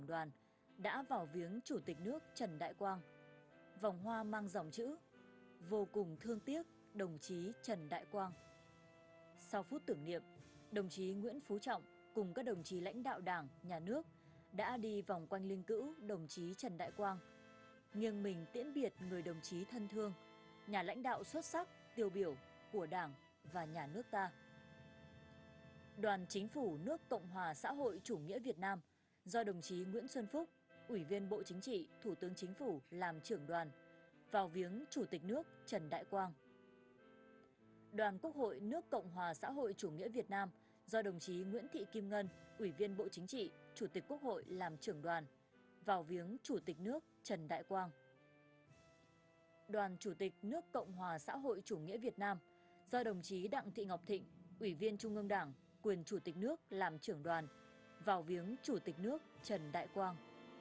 đoàn chủ tịch nước cộng hòa xã hội chủ nghĩa việt nam do đồng chí đặng thị ngọc thịnh ủy viên trung ương đảng quyền chủ tịch nước làm trưởng đoàn vào viếng chủ tịch nước trần đại quang